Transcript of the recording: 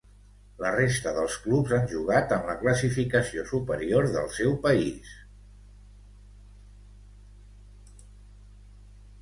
La resta dels clubs han jugat en la classificació superior del seu país.